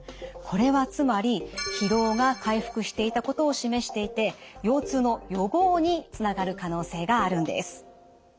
これはつまり疲労が回復していたことを示していて腰痛の予防につながる可能性があるんです。